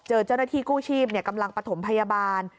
เจ้าหน้าที่กู้ชีพกำลังประถมพยาบาล